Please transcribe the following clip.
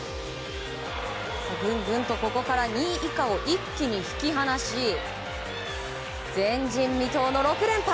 ここから２位以下を一気に引き離し前人未到の６連覇。